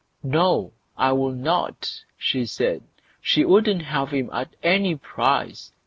"No! I will not", she said. She wouldn't have him at any price!